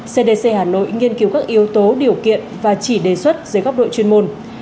cdc hà nội nghiên cứu các yếu tố điều kiện và chỉ đề xuất dưới góc độ chuyên môn